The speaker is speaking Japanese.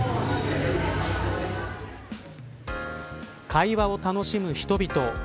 会話を楽しむ人々。